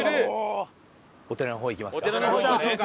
お寺の方行きましょうか。